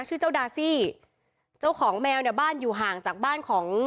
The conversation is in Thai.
ชื่อเจ้าดาซี่เจ้าของแมวเนี่ยบ้านอยู่ห่างจากบ้านของ